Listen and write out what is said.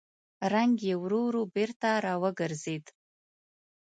رنګ يې ورو ورو بېرته راوګرځېد.